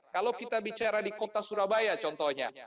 kalau kita bicara di kota surabaya contohnya